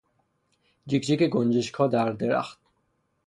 جیک جیک گنجشکها در درخت